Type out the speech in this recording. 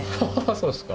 そうですか？